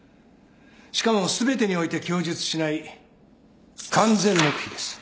しかも全てにおいて供述しない完全黙秘です。